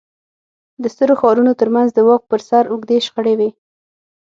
د سترو ښارونو ترمنځ د واک پر سر اوږدې شخړې وې